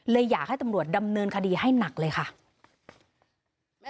อยากให้ตำรวจดำเนินคดีให้หนักเลยค่ะ